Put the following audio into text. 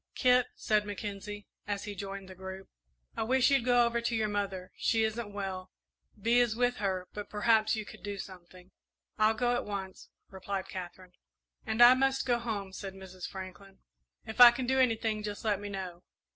"Kit," said Mackenzie, as he joined the group, "I wish you'd go over to your mother she isn't well. Bee is with her, but perhaps you could do something." "I'll go at once," replied Katherine. "And I must go home," said Mrs. Franklin. "If I can do anything, just let me know."